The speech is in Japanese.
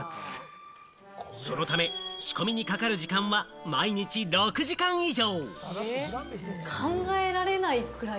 そのため仕込みにかかる時間は毎日６時間以上。